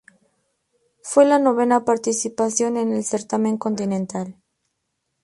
Fue la novena participación en el certamen continental.